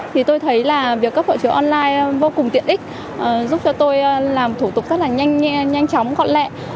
thì tôi thấy là việc cấp hộ chiếu online vô cùng tiện ích giúp cho tôi làm thủ tục rất là nhanh chóng gọn lệ